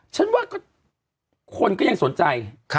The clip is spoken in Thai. ฉันว่าคนก็ยังสนใจ